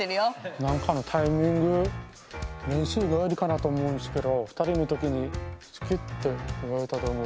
何かのタイミング練習帰りかなと思うんですけど好きって言われたと思う？